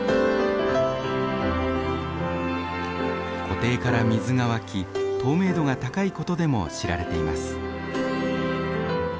湖底から水が湧き透明度が高いことでも知られています。